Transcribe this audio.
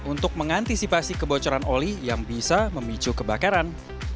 untuk mengantisipasi kebocoran oli yang bisa memicu kebakaran